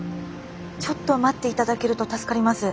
ちょっと待って頂けると助かります。